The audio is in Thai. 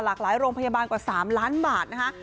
หลากหลายโรงพยาบาลกว่า๓ล้านบาทนะคะ